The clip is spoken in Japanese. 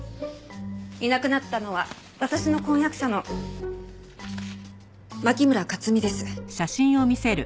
いなくなったのは私の婚約者の牧村克実です。